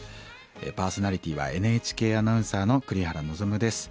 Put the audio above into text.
パーソナリティーはＮＨＫアナウンサーの栗原望です。